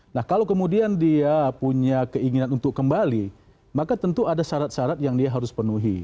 nah kalau kemudian dia punya keinginan untuk kembali maka tentu ada syarat syarat yang dia harus penuhi